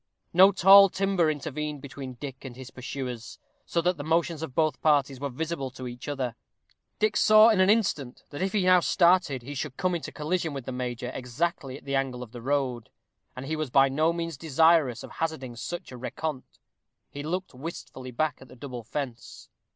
No tall timber intervened between Dick and his pursuers, so that the motions of both parties were visible to each other. Dick saw in an instant that if he now started he should come into collision with the major exactly at the angle of the road, and he was by no means desirous of hazarding such a rencontre. He looked wistfully back at the double fence.